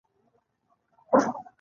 ماشوم ورک شو.